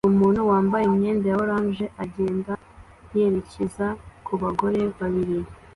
Umuntu wambaye imyenda ya orange agenda yerekeza kubagore babiri